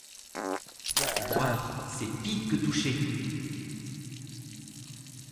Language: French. Voir, c’est pis que toucher.